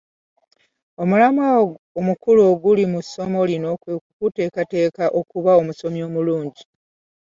Omulamwa omukulu oguli mu essomo lino kwe kukuteekateeka okuba omusomi omulungi.